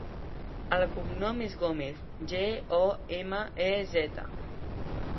El cognom és Gomez: ge, o, ema, e, zeta.